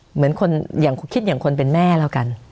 เหมือนคนอย่างคิดอย่างคนเป็นแม่แล้วกัน